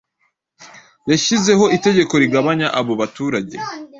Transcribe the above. Yashyizeho itegeko rigabanya abo baturage